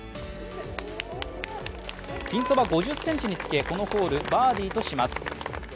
ピンそば５０ｃｍにつけこのホール、バーディーとします。